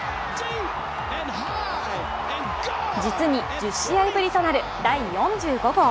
実に１０試合ぶりとなる第４５号。